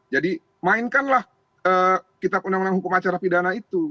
jadi mainkanlah kitab undang undang hukum acara pidana itu